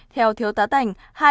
theo thiếu tá tành